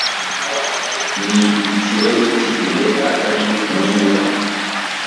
Ni ikibazo cyigihe atari niba